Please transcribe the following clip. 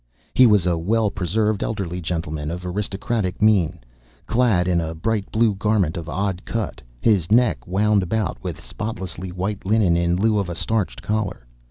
He was a well preserved elderly gentleman of aristocratic mien, clad in a bright blue garment of odd cut, his neck wound about with spotlessly white linen in lieu of a starched collar.